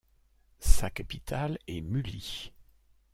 Sa capitale est Muli.